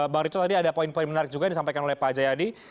bang rito tadi ada poin poin menarik juga yang disampaikan oleh pak jayadi